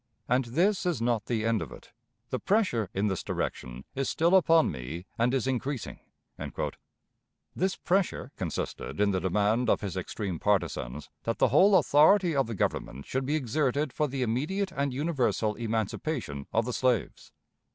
And this is not the end of it. The pressure in this direction is still upon me, and is increasing." This pressure consisted in the demand of his extreme partisans that the whole authority of the Government should be exerted for the immediate and universal emancipation of the slaves.